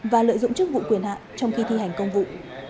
và lợi dụng chức vụ quyền hạn trong khi thi hành công vụ